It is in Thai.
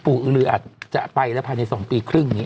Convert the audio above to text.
ปู่อึงลืออาจจะไปที่สองปีครึ่งเงี้ย